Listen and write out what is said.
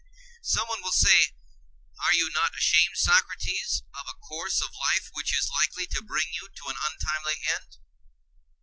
Someone will say: And are you not ashamed, Socrates, of a course of life which is likely to bring you to an untimely end?